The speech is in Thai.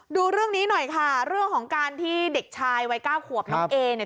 ดูเรื่องนี้หน่อยค่ะเรื่องของการที่เด็กชายวัยเก้าขวบน้องเอเนี่ย